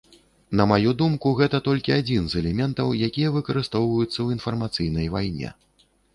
На маю думку, гэта толькі адзін з элементаў, якія выкарыстоўваюцца ў інфармацыйнай вайне.